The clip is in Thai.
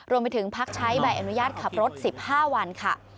พักใช้ใบอนุญาตขับรถ๑๕วันค่ะ